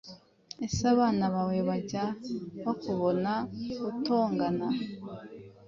ese abana bawe bajya bakubona utongana